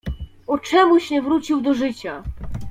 "O czemuś mnie wrócił do życia?"